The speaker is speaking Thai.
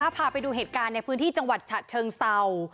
พาไปดูเหตุการณ์ในพื้นที่จังหวัดฉะเชิงเศร้า